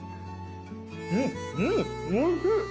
うんうんおいしい。